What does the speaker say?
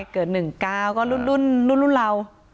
เกิด๑๙ก็รุ่นเรา